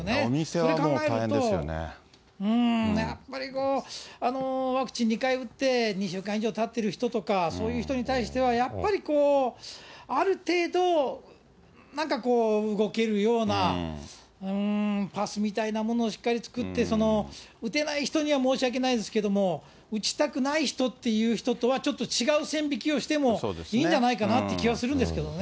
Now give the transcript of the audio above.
それを考えると、やっぱりワクチン２回打って２週間以上たってる人とか、そういう人に対しては、やっぱり、ある程度、なんかこう、動けるような、パスみたいなものをしっかり作って、打てない人には申し訳ないですけども、打ちたくない人っていう人とはちょっと違う線引きをしてもいいんじゃないかなという気はするんですけどね。